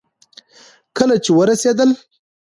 کله چې ورسېدل